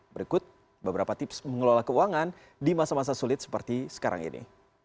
berikut beberapa tips mengelola keuangan di masa masa sulit seperti sekarang ini